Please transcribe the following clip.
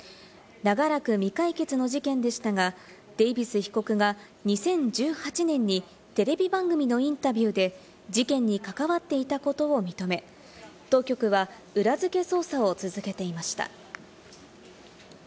長らく未解決の事件でしたが、デイヴィス被告が２０１８年にテレビ番組のインタビューで事件に関わっていたことを認め、当局は裏付け捜査を続けていました。